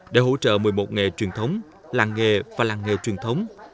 để hỗ trợ một mươi một nghề truyền thống làng nghề và làng nghề truyền thống